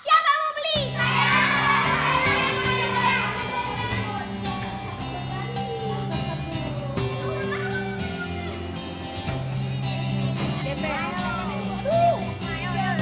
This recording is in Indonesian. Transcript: ini kue yang keserangan harus diantar hari ini sayang